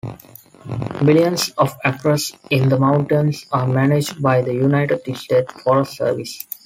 Millions of acres in the mountains are managed by the United States Forest Service.